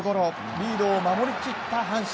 リードを守り切った阪神。